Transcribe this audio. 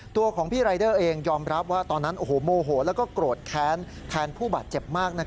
ตัวของพี่รายเดอร์เองยอมรับว่าตอนนั้นโอ้โหโมโหแล้วก็โกรธแค้นแทนผู้บาดเจ็บมาก